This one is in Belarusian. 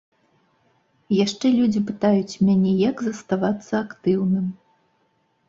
Яшчэ людзі пытаюць мяне, як заставацца актыўным.